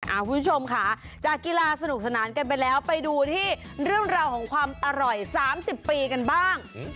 คุณผู้ชมค่ะจากกีฬาสนุกสนานกันไปแล้วไปดูที่เรื่องราวของความอร่อย๓๐ปีกันบ้าง